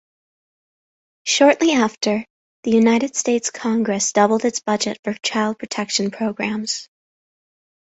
Shortly after, the United States Congress doubled its budget for child-protection programs.